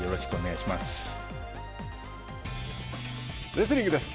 レスリングです。